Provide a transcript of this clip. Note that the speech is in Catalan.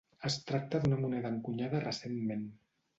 Es tracta d'una moneda encunyada recentment.